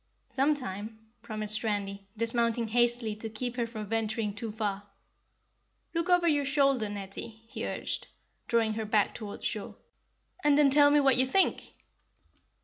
"Some time," promised Randy, dismounting hastily to keep her from venturing too far. "Look over your shoulder, Netty," he urged, drawing her back toward shore, "and then tell me what you think!"